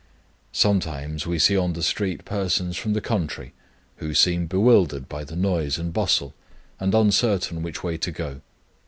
Sometimes we see on the street persons from the country, who seem bewildered by the noise and bustle, and uncertain which way to go.